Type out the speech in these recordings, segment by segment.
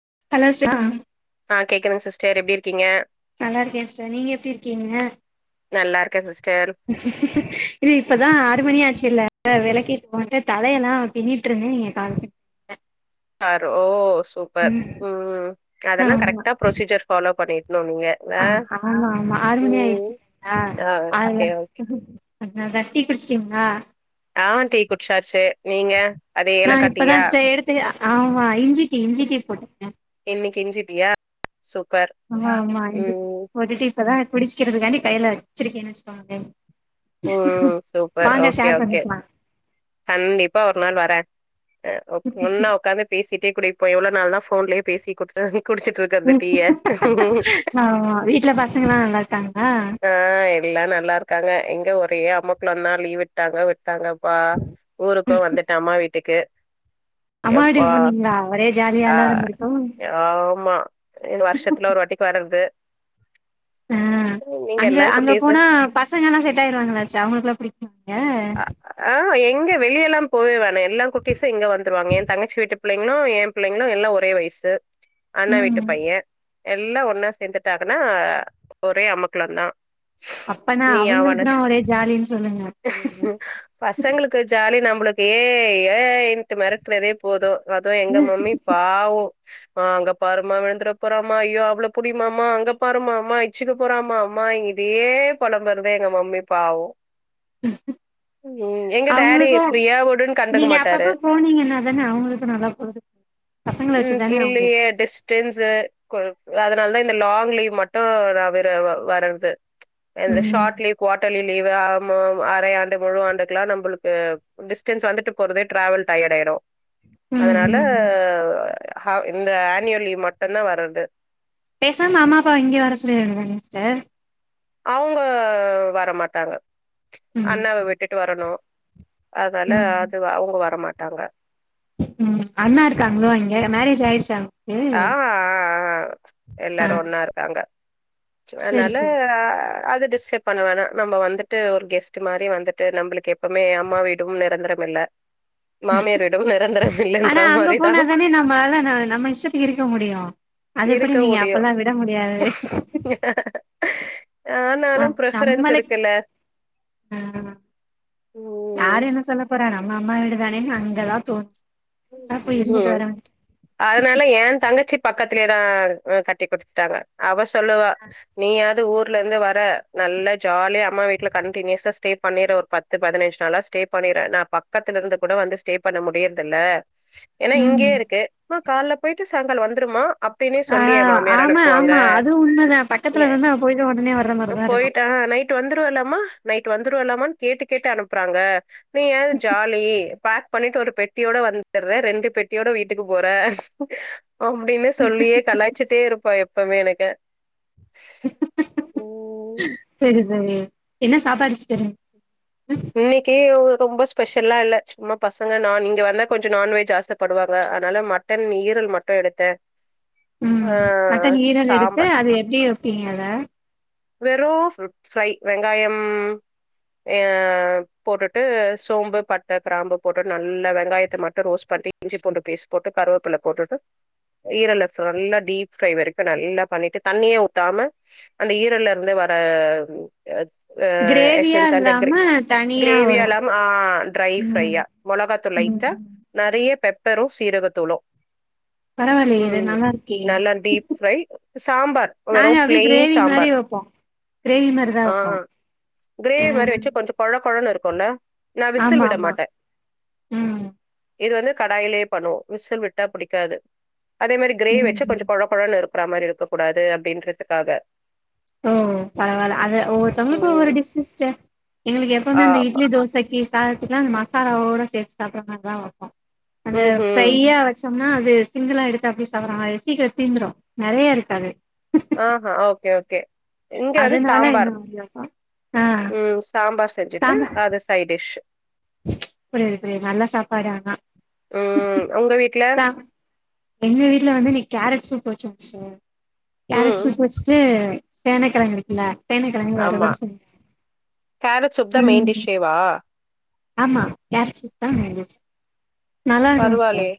[unintelligible] ஆ கேக்குதுங்க சிஸ்டர் எப்படி இருக்கீங்க நல்லா இருக்கேன் சிஸ்டர் நீங்க எப்படி இருக்கீங்க நல்லா இருக்கன் சிஸ் இது இப்பதான் ஆறு மணியா ஆச்சுல்ல விளக்கியேத்தி போட்டு தலையெல்லாம் பின்னிட்டு இருந்தே நீங்க கால ஆ ஓ சூப்பர் உம் அதெல்லாம் கரெக்டா ப்ரொசீஜர் ஃபாலோ பண்ணிரு ஆஹ் ஆமா ஆமா ஆறு மணி ம் ஆயிடுச்சுங்களா ஆ ஓகே ஓகே அதனாலதா டீ குடிச்சிட்டீங்களா ஆ டீ குடிச்சாச்சு நீங்க அது நான் ஏலக்கா டீயா இப்பதான் சிஸ்டர் எடுத்து ஆமா இஞ்சிட்டி இஞ்சிட்டி போட்டுருக்கேன் இன்னைக்கி இஞ்சிட்டீயா ஆமா ஆமா இஞ்சிட்டீ போட்டுட்டு இப்பதா குடிக்கிறதுக்காண்டி கையில வச்சுருக்கேன்னு வச்சுக்கோங்களே ம் சூப்பர் வாங்க ஓகே ஷேர் ஓகே பண்ணிக்லா கண்டிப்பா ஒரு நாள் வரே அ ஒன்னா உக்காந்து பேசிட்டு டீ குடிப்போ எவ்ளோ நாள் தா போன்லயே பேசி குடுத்து குடிச்சுட்டு இருக்குறது டீய ஆமா வீட்ல பசங்கல்லாம் நல்லா இருக்காங்களா அ அ எல்லா நல்லா இருக்காங்க எங்க ஒரே அமக்ளோந்தா லீவ் விட்டாங்க விட்டாங்கப்பா ஊருக்கூ வந்துட்டே அம்மா வீட்டுக்கு அம்மா எப்பா வீட்டுக்கு போனீங்களா ஒரே ஆ ஜாலியால இருந்திருக்கு ஆமா இன்னு வருஷத்துல ஒரு வாட்டிக்கு வர்றது ஆ நீங்க அங்க எல்லா அங்க குட்டீஸு போனா பசங்க எல்லாம் செட் ஆயிருவாங்களாச்சு அவுங்களுக்கெல்லா புடிக்குமா அ ஆ எங்க வெளியெல்லா போயவானே எல்லா குட்டிஸூ இங்க வந்துருவாங்க ஏ தங்கச்சி வீட்டு புள்ளைங்களு ஏ புள்ளைங்களு எல்லா ஒரே வயசு அண்ணே வீட்டு ம் பையே எல்லா ஒன்னா சேந்துட்டாங்கன்னா ஒரே அமக்களந்தா அப்பன்னா நீ அவனு அவுங்களுக்குதா ஒரே ஜாலின்னு சொல்லுங்க பசங்களுக்கு ஜாலி நம்மளுக்கு ஏய் ஏய் இன்ட்டு மெறட்னதே போது அது எங்க மம்மி பாவோ ஆ அங்க பாருமா விழுந்துட போறாமா ஐயோ அவள புடிம்மா அம்மா அங்க பாருமா அம்மா இச்சுக்கு போறாமா அம்மா ம்மா இதையே பொலம்பரதுதா எங்க மம்மிப் பாவோ ம் எங்க டாடி அவுங்களுக்கும் ஃப்ரீயா விடுன்னு கண்டுக்க நீங்க மாட்டாரு அப்பப்ப போனீங்கன்னா தானே அவுங்களுக்கும் நல்லா போது ம் இல்லயே டிஸ்டன்ஸு கொலுப் அதுனால தா இந்த லாங் லீவ் மட்டு நா வெற வர்றது எந்த ம் ஷாட் லீவு குவாட்லி லீவு ஆமாம் அரை ஆண்டு முழு ஆண்டுகல்லா நம்மளுக்கு டிஸ்டன்ஸ் வந்துட்டு போறதே டிராவல் டையடாயிரு ம் அதுனால ம் ஹ இந்த ஆனியல் லீவு மட்டுந்தா வர்றது பேசாம அம்மா அப்பாவ இங்க வர சொல்லிட வேண்டியதுதா சிஸ்டர் அவுங்க வரமாட்டாங்க ம் அண்ணாவ விட்டுட்டு வரணு அதால ம் அது அவுங்க வரமாட்டாங்க ம் அண்ணா இருக்காங்களோ அங்க மேரேஜ் ஆயிருச்சா ஆ ஆ ஆ ஆ எல்லாரு ஒன்னா இருக்காங்க செரி அதுனால செரி அது டிஸ் பண்ண வேணா நம்ம வந்துட்டு ஒரு கெஸ்ட் மாரி வந்துட்டு நம்மளுக்கு எப்பவுமே அம்மா வீடும் நிரந்தரம் இல்ல மாமியார் வீடும் நெரந்தரோ ஆனா இல்லன்ற அங்க மாரிதா போனா தானே நம்மளால ந நம்ம இஷ்டத்துக்கு இருக்க முடியு அது எப்டி இருக்க நீங்க முடியு அப்பல்லா விட முடியாது அ ஆனாலு ப்ரிஃபரன்ஸ் நம்மளே இருக்குல்ல ஆ ஆ ம் யாரு என்ன சொல்ல போறா நம்ம அம்மா வீடுதானேனு அங்கதா தூங் அதுனால ஏ தங்கச்சி பக்கத் துலேதா கட்டி குடுத்துட்டாங்க அவ சொல்லுவா நீயாது ஊர் ட்டுல இருந்து வர நல்லா ஜாலியா அம்மா வீட்டுல கண்டனியூவஸா ஸ்டே பண்ணிடுவ ஒரு பத்து பதினஞ்சு நாளா ஸ்டே பண்ணி ணிற நா பக்கத்துல இருந்து கூட வந்து ஸ்டே பண்ண முடியுற்துல்ல ஏன்னா இங்கேயே ம் இருக்கு ஆ கால்ல பொயிட்டு சாயங்காலோ வந்துருமா அப்டினே ஆ சொல்லி ஏ மாமியார் ஆமா அனுப்புவாங்க ஆமா அது உண்மதா பக்கத்துல ஏ இருந்தா போயிட்டு ஒடனே வர்ற மாரிதா இருக்கு பொயிட்டா நைட் வந்துருவல்ல ம்மா நைட் வந்துருவலமான்னு கேட்டு கேட்டு அனுப்புறாங்க நீ ஏது ஜாலி பேக் பண்ணிட்டு ஒரு பெட்டியோட வந்துட்றே ரெண்டு பெட்டியோட வீட்டுக்கு போற அப்டின்னு சொல்லியே கலாய்ச்சிட்டே இருப்பா எப்பவுமே எனக்கு ம் சரி சரி என்ன சாப்பாடு சிஸ்டர் இன் இன்னைக்கி ரொம்ப ஸ்பெஷல்லா இல்ல சும்மா பசங்க நா நீங்க வந்தா கொஞ்சோ நான்வெஜ் ஆசப்படுவாங்க அதுனால மட்டன் ஈரல் மட்டு எடுத்தே ஆ ம் மட்டன் ஈரல் எடுத்து சாம்பார் அது எப்டி வப்பீங்க அத வெறு ப் ப்ஃரை வெங்காயம் எ போட்டுட்டு சோம்பு பட்ட கிராம்பு போட்டு நல்ல வெங்காயத்தை மட்டு ரோஸ் ப [unintelligible] இஞ்சி பூண்டு பேஸ் போட்டு கருவேப்பில போட்டுட்டு ஈரல நல்லா டீப் ரை வரைக்கு நல்லா பண்ணிட்டு தண்ணியே ஊத்தாம அந்த ஈ ரல்லருந்து வர கிரேவியா எசன்ஸ் அண்ட் இல்லாம [unintelligible] தனியா கிரேவிய வரு எல்லாம் ஆ ட்ரை ம் ப்ஃரையா மிளகாதூள் லைட்டா ம் நிறைய பெ பெறோ சீரக தூலோ [inaudible] பரவாயில்லையே இது நல்லாருக்கே நல்லா டீப் ஃப்ரை சாம்பார் வெறு நாங்க அப்டி பிளெயின் கிரேவி மாதிரி சாம்பார் வை ப்போ கிரேவி மாரிதா ஆ வப்போ கிரேவி மாரி ம் வச்சு கொஞ்சோ கொழ கொழன்னு இருக்குல்ல நா விசில் விட மாட்டே ம் இது வந்து கடாயிலேயே பண்ணுவோ விசில் விட்டா புடிக்காது அதே மாரி கிரேவி வச்சு ம் கொஞ்ச கொழ கொழன்னு இரு அப்புற மாரி இருக்க கூடாது. அப்டின்றதுக்காக ஓ பரவால அது ஒவ்வொருத்தவங்களுக்கு ஒவ்வொரு ம். டிஸ் சிஸ்டர் எங்களுக்கு எப்பவுமே அந்த ஆமா. இட்லி தோசைக்கு சாதத்துக்கலா அந்த மசாலாவோட சேத்து சாப்டுற மாரி தா வப் போ அந்த ம்ஹ்ம். ஃப்யா வச்ச ப்பனா அது சிங்கிளா எடுத்து அப்டியே சாப்டுற மாரி சீக்கிர தீந்துரு நெறையா இருக்காது. ஆஹ்ஹ ஓகே ஓகே இங்க வந்து அதனால இந்த சாம்பார் மாரி வைப்போ ஆ ம் சாம்பார் செஞ்சுட்டு அது சை டிஷ் புரியிது புரியிது நல்ல சாப்பாடு ஆனா ம். உங்க வீட்ல? ச எங்க வீட்ல வந்து நீ கேரட்ஸு [unintelligible] கேரட் ம். சூப் வச்சுட்டு சேனக்கெழங்கு இருக்குல சேனகெழங்கு வருவ ஆமா. சே கேரட் சூப் தான் மெயின் டிஷ்ஷேவா? [unintelligible] ஆமா யார் சுத்தா வேந்துச்சு பரவாலையே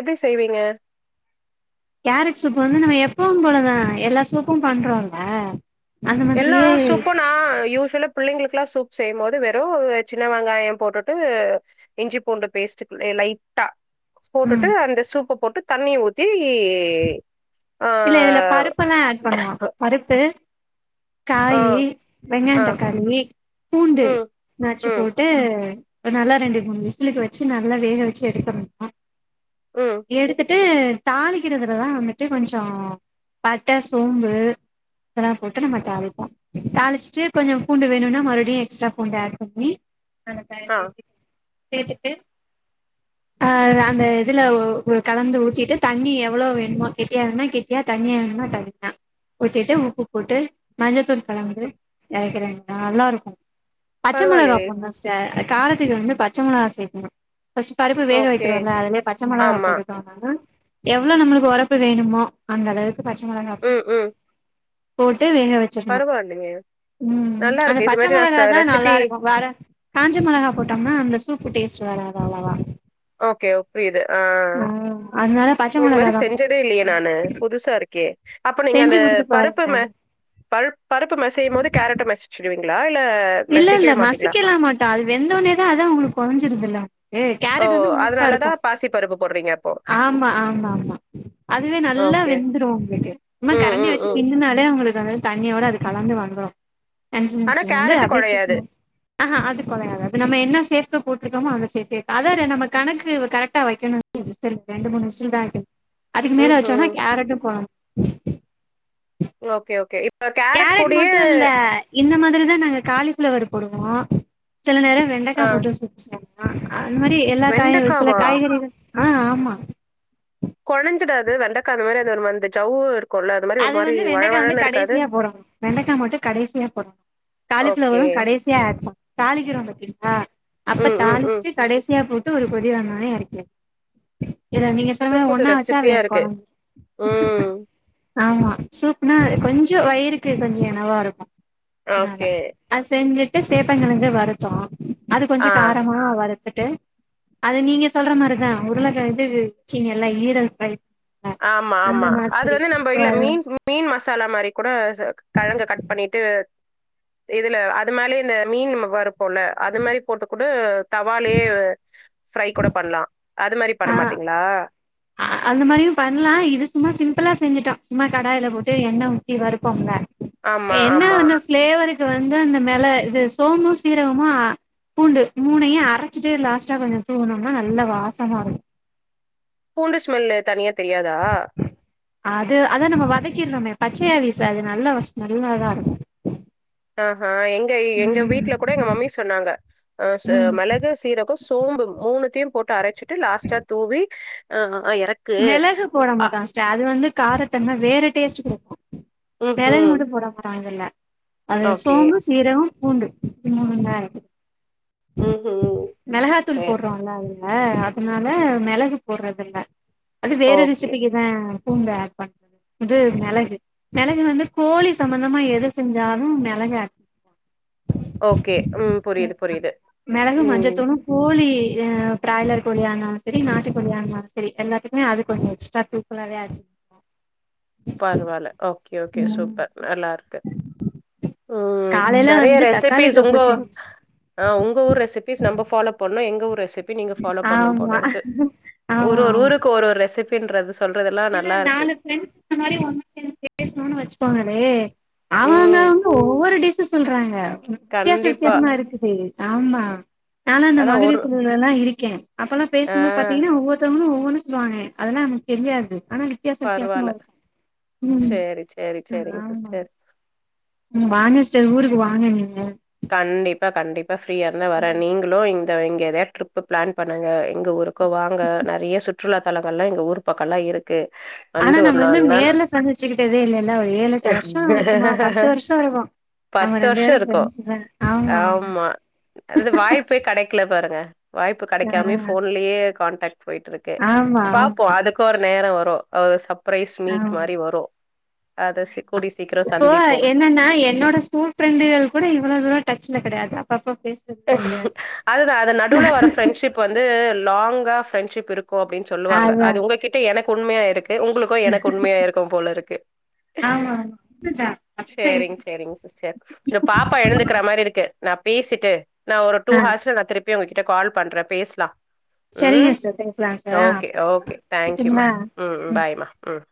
எப்டி செய்வீங்க கேரட் சூப் வந்து நம்ம எப்பவு போலதா எல்லா சூப்பும் பண்றோல எல்லா சூப்பனா யூஸ்வலா பிள்ளைங்களுக் லா சூப் செய்யு போது வெறு சின்ன வெங்காய போட்டுட்டு இஞ்சி பூண்டு பேஸ்டு லைட்டா போட்டுட்டு ம் அந்த சூப்ப போட்டு தண்ணி ஊத்தி ஆ இல்ல இதுல பருப்பெல்லா ஆட் பண்ணுவோ பருப்பு ஆ காயி வெங்காய ஆ தக்காளி பூண்டு ம் நச்சு ம் போட்டு ஒரு நல்லா ரெண்டு மூணு விசலுக்கு வச்சு நல்லா வேக வச்சு எடுத்துறணு ம் எடுத்துட் ட்டு தாளிக்கிறதுலதா வந்துட்டு கொஞ்ச பட்ட சோம்பு தல்லா போட் டு நம்ம தாளிப்போ தாளிச்சுட்டு கொஞ்ச பூண்டு வேணுனா மறுபடியு எக்ஸ்ட்ரா பூண்ட ஆட் பண்ணி ஆனக்காய ஆ சேத்துக் சேத்துட்டு ஆஹ் அ அந்த இதுல ஊ கலந்து ஊத்திட்டு தண்ணி எவளோ வேணுமோ கெட்டியா வேணுனா கெட்டியா தண்ணியா வேணுனா த [unintelligible] ஊத்திட்டு உப்பு போட்டு மஞ்சத்தூள் கலந்து எறக்கிற [unintelligible] நல்லா இருக்கு பச்ச மொளகா பரவாயில்லயே போட்ணு சிஸ்டர் காரத்துக்கு வந்து பச்ச மொளகா சேக்கணு ஃபஸ்ட்டு பருப்பு வேக ஓகே வக்கிறோல அதுலயே பச்ச மொளகா ஆமா போட்டுட்டோ [unintelligible] எவ்ளோ நம்மளுக்கு ஒரப்பு வேணுமோ அந்த அளவுக்கு பச்ச மொளகா ம் ம் போட் ட்டு வேக வச்சுறணு பரவாயில்லயே ம் நல்லா அந்த இருக்கு இது பச்ச மாரி நான் ச மொளகா தான் ரெசிபி நல்லா இருக்கு வேற காஞ்ச மொளகா போட்டோம்னா அந்த சூப்பு டேஸ்ட் வராது அவ்ளவா ஓகே ஓ புரியது ஆ அதனால பச்ச இது மொளகா மாரி தா செஞ்சதே இல்லையே நானு புதுசா இருக்கே அப்ப நீங்க செஞ்சு அந்த குடுத்து பருப்பு பாருங்க மே பருப் பருப்பு மசையு போது காரட்டு மசுச்சுடுவீங்களா இல்ல இல்ல மசிக்கலா மாட்டோ அது வெந்தோனேதா அதா உங்களுக்கு கொழஞ்சிருதுல்ல ஏ ஓ கேரட் வந்து முழுசா அதனாலதா இருக்கு பாசி பருப்பு போடுறீங்க அப்போ ஆமா ஆமா ஆமா அதுவே நல்லா ஓகே வெந்துரு உங்களுக்கு சுமா ம் கரண்டிய ம் வச்சு ம் கிண்டுனாலே அவங்க களுக்கு அந் மாரி தண்ணியோட அது கலந்து வந்துரு ஆனா என்ஷுரன்ஸ்ல வந்து [unintelligible] கேரட்டு கொழையாது ஆஹா அது கொடையாது அது நம்ம என்ன சேத்து போட்ருக்கோமோ அத சேத்தே அ வேற நம்ம கணக்கு கரெக்டா வைக்கணு [unintelligible] ரெண்டு மூணு விசில் தா வைக்கணு அதுக்கு மேல ம்ஹூம் வச்சோன்னா காரட்டு போகனு ஓகே ஓகே இப்ப கேரட் காரட் கூடயே மட்டு இல்ல இந்த மாதிரிதா நாங்க காலி ஃபிளவர் போடுவோ சில நேர ஆ. வெண்டக்கா போட்டு சூப் சாப்டா ஆ அந்த மாரி எல்லா காயு ஒரு சில வெண்டைக்காவா? காய்கறிகள் ஆ ஆமா கொழஞ்சிடாது வெண்டக்கா அந்த மாரி அந்த நம்ம அந்த ஜவ் அது வந்து வெண்டக்கா வந்து கடைசியா போடணு வெண்டக்கா மட்டு கடைசியா போட காலி ஓகே. ஃப்ளவரு கடைசியா ஆட் ப தாளிக்கிறோ பாத்தீங்களா அப்ப ம், ம், ம். தாளிச்ட்டு கடைசியா போட் டு ஒரு கொதி வந்த ஒனே எறக்கிர் இத நீங்க சொன்ன புது மா புது ஒன்னா வச்சா வெ ரெசிபியா கொ இருக்கு. ம். ஆமா சூப்னா அ கொஞ்சொ வயிறுக்கு கொஞ்ச எனவா இருக்கு அதா அதா ஓகே. அது செஞ்சுட்டு சேப்பங்கெழங்க வறுத்தோ அது கொஞ்ச ஆ. காரமா வறுத் துட்டு அது நீங்க சொல்ற மாரிதா உருளைக்கெழங்கு வ் வெச்சீங்கல்ல [unintelligible] ஆமா ஆமா அது வந்து நம்ப இல்ல மீன் மீன் மசாலா மாரி கூட செ கெழங்க கட் பண்ணிட்டு இதுல அது மேல இந்த மீன் வறுப்போல்ல அது மாரி போட்டுக்கூட வந்து தவாலேயே ஃப்ரை கூட பண்லா அது மாரி பண்ண மாட்டீங்களா அ அந்த மாரியு பண்லா இது சும்மா சிம்பிளா செஞ்சுட்டோ சும்மா கடாயில போட்டு எண்ண ஊத்தி வறுப்போம்ல ஆமா, என்ன ஆமா. என்ன ஃபிளேவருக்கு வந்து அந்த மேல இது சோம்பு சீரகமு அ பூண்டு மூணையு அரச்சுட்டு லாஸ்ட்டா கொஞ்ச தூவுணோனா நல்லா வாசம் வரு பூண்டு ஸ்மெல்லு தனியா தெரியாதா அது அதா நம்ம வதக்கிட்றோமே பச்சையா வீசாது நல்ல வாஸ் ஸ்மெல்லாதா இருக்கு அஹ்ஹ எங்க எங்க வீட்ல கூட எங்க மம்மி சொன்னாங்க அ ச ம் மெளகு சீரகொ ச் சோம்பு மூணுத்தையு போட்டு அரச்சிட்டு லாஸ்டா தூவி ஆ மெளகு போட மாட்டாங்க சிஸ்ட அது வந்து காரத்தன்ம வேற டேஸ்ட்டு குடுக்கு மெளகு ம்ஹ்ம். மட்டு போட கூடாதுல அது ஓகே. சோம்பு சீரகொ பூண்டு இப்டி மூண் இதா இருக்கு ம்ஹ்ம். மெளகாத்தூள் சரி. போடுறோல்ல அதுல அ அதுனால மெளகு போடுறதில்ல அது வேற ஓகே. ரெசிபிக்குதா பூண்ட ஆட்பண் இது மெளகு மெளகு வந்து கோழி சம்பந்தமா எது செஞ்சாலு மெளகு ஆட் அ ஓகே ம் புரியுது புரியுது மெளகு மஞ்ச ம். தூள் உப்பு கோழி அ பிராய்லர் கோழியா இருந்தாலு சரி நாட்டு கோழியா இருந்தாலு சரி எல்லாத்துக்குமே அது கொஞ்ச எக்ஸ்ட்ராதூக்கலா கெடையாது பரவால்ல ஓகே ஓகே சூப்பர் நல்லா இருக்கு ம் காலையில நெறைய வந்து தக்காளி ரெசிபீஸ் தொக்கு உங்க செஞ்சே ஆ உங்க உங்க ஊர் ரெசிபீஸ் நம்ப ஃபாலோ பண்ணு எங்க ஊர் ரெசிப் பி நீங்க ஃபாலோ பண்ணு போல ஆமா இருக்கு ஒரு ஆமா ஒரு ஆமா ஊருக்கு ஒரு ஒரு ரெசிப் இல்ல நாலு ஃபரெண்ட்ஸ் அது மாரி ஒண்ணா சேந்து பேச்ணுனு வச்சுக்கோங்கேளே அவங்க ம். அவங்க ஒவ்வொரு டிஷ் சொல்றாங்க வித்தியாச கண்டிப்பா. வித்தியாசமா இருக்குது ஆமா நாலா அந்த அதான் ஒரு மகளிர்குழுவுள எல்லா இருக்கே அப்ப எல்லா ஆ பேசும்போது பாத்தீங்கன்னா ஒவ்வொத்தவங்களுமக்ஷ ஒவ் உன்ஸ் ஜாயின் ஆய் அதெல்லா நமக்கு தெரியாது ஆனா வித்தியாச வித்தியாசமா பரவால்ல வரு ம் சேரி சேரி சேரிங் ஆமா சிஸ்டர் வானஸ்டர் ஊருக்கு வாங்க நீங்க கண்டிப்பா கண்டிப்பா ஃப்ரீயா இருந்தா வரே நீங்களு எங் இந்த இங்கேதையா ட்ரிப்பு பிளான் பண்ணுங்க எங்க ஊருக்கு வாங்க நறைய சுற்றுலாத்தலங்கள்லா எங்க ஊர் பக்கம்லா இருக் கு ஆனா வந்து ஒரு நம்ம இன்னு நாலு நாள் நேர்ல சந்திச்சுக்கிட்டதே இல்லல்ல ஒரு ஏழு எட்டு வருஷோ இருக்குமா பத்து வருஷோ இருக்கு நம்ம பத்து ரெண்டு வருஷ பேரு இருக்கு ஃப்ரெண்ட்ஸ் தா ஆமா அந்த வாய்ப்பே கடைக்கல பாருங்க வாய்ப்பு கடைக்காமே ஆ போன்லயே கான்டாக்ட் போயிட்டு இருக்கு ஆமா ஆமா பாப்போ அதுக்கு ஒரு நேர வரு சப்ரைஸ் ஆ மீட் மாரி வரு அத சி கூடிய சீக்கிரோ இப்போ சந்திப்போ என்னன்னா என்னோட ஸ்கூல் ஃப்ரெண்டுகள் கூட இவ்வளவு டச்ல கடையாது அப்பப்ப பேசுறதுல கெடையாது அதுதா அது நடுவுல அதா வர ஃப்ரெண்ட்ஷிப் வந்து லாங்கா ஃப்ரெண்ட்ஷிப் இருக் கு அப்டின்னு சொல்லுவாங்க ஆமா அது உங்ககிட்ட எனக்கு உண்மையா இருக்கு உங்களுக்கு எனக்கு உண்மையா இருக்கு போல இருக்கு ஆமா உண்மதா அப்டிதா இருக்குது செரிங்செரிங் சிஸ்டர் இந்த பாப்பா எழுந்துக்கற மாரி இருக்கு நான் பேசிட்டு நான் ஒரு டூ ஆ ஹார்ஸ்ல நான் திருப்பி உங்ககிட்ட கால் பண்ற பேசலா சரிங்க ம் சார் பேசலா சார் ஆ ஓகே ஓகே தேங்க்யூமா வச்சுட்டுங்களா ம் பாய்மா ம்